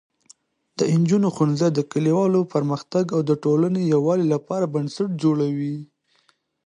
د نجونو ښوونځی د کلیوالو پرمختګ او د ټولنې یووالي لپاره بنسټ جوړوي.